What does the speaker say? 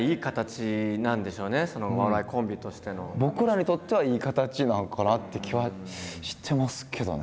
僕らにとってはいい形なんかなって気はしてますけどね。